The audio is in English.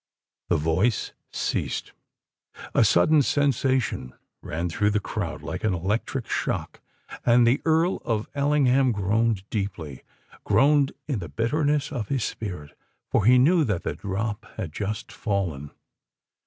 _" The voice ceased: a sudden sensation ran through the crowd like an electric shock;—and the Earl of Ellingham groaned deeply—groaned in the bitterness of his spirit,—for he knew that the drop had just fallen!